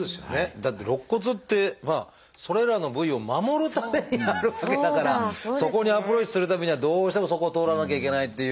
だって肋骨ってそれらの部位を守るためにあるわけだからそこにアプローチするためにはどうしてもそこを通らなきゃいけないっていう。